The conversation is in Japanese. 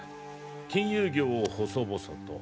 金融業を細々と。